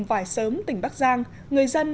vải sớm tỉnh bắc giang người dân